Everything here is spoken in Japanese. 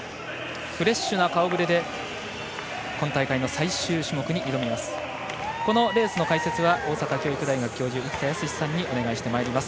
フレッシュな顔ぶれで今大会の最終種目に挑みます。